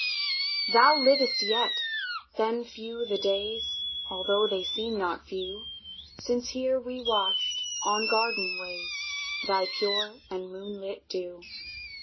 Thou livest yet! Then few the days, Altho' they seem not few, Since here we watched, on garden ways, Thy pure and moonlit dew.